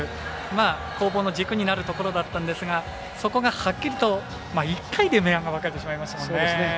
攻防の軸になるところだったんですがそこがはっきりと、１回で明暗が分かれてしまいましたもんね。